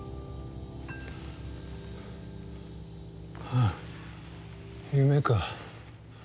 あっ夢か。